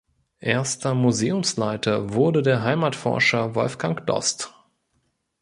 Erster Museumsleiter wurde der Heimatforscher Wolfgang Dost.